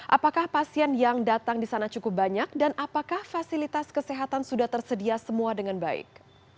apakah pasien yang datang di sana cukup banyak dan apakah fasilitas kesehatan sudah tersedia semua dengan baik